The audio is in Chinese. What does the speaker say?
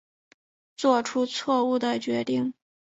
做出错误的决定